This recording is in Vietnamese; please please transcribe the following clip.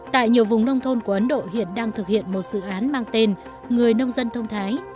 tại nhiều vùng nông thôn của ấn độ hiện đang thực hiện một dự án mang tên người nông dân thông thái